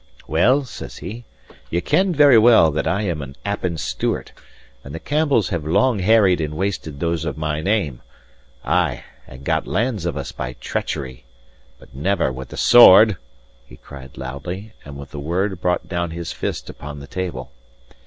"Well," says he, "ye ken very well that I am an Appin Stewart, and the Campbells have long harried and wasted those of my name; ay, and got lands of us by treachery but never with the sword," he cried loudly, and with the word brought down his fist upon the table.